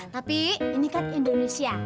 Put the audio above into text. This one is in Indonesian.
tapi ini kan indonesia